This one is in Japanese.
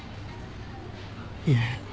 いえ。